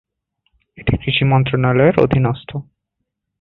এটি কৃষি মন্ত্রণালয়ের অধীনস্থ।